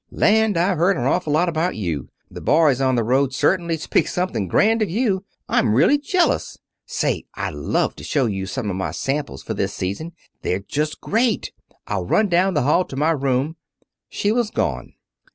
"Land, I've heard an awful lot about you. The boys on the road certainly speak something grand of you. I'm really jealous. Say, I'd love to show you some of my samples for this season. They're just great. I'll just run down the hall to my room " She was gone.